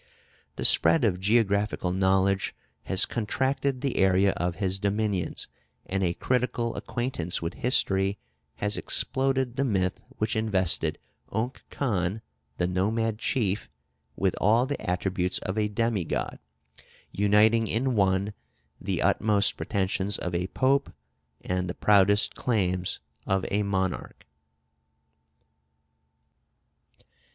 The spread of geographical knowledge has contracted the area of his dominions, and a critical acquaintance with history has exploded the myth which invested Unk Khan, the nomad chief, with all the attributes of a demigod, uniting in one the utmost pretensions of a Pope and the proudest claims of a monarch.